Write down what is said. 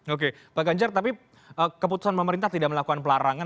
oke pak ganjar tapi keputusan pemerintah tidak melakukan pelarangan